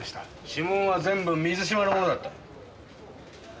指紋は全部水嶋のものだった。